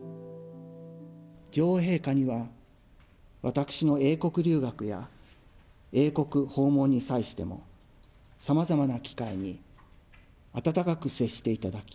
女王陛下には、私の英国留学や英国訪問に際しても、さまざまな機会に温かく接していただき、